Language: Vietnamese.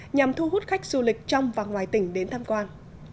nhằm thu hút khách du lịch trong và ngoài tỉnh đến tham quan